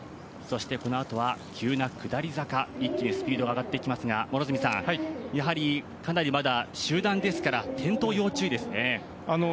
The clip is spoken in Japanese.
そしてこのあとは急な下り坂一気にスピードが上がってきますがかなり集団ですから転倒、要注意ですね。